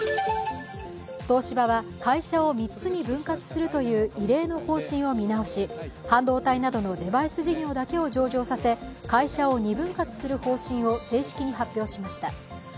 東芝は会社を３つに分割するという異例の方針を見直し、半導体などのデバイス事業だけを上場させ会社を２分割する方針を正式に発表しました。